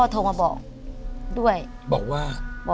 สวัสดีครับ